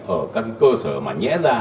ở các cơ sở mà nhẽ ra